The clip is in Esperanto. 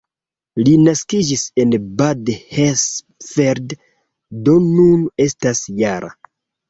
Li naskiĝis en Bad Hersfeld, do nun estas -jara.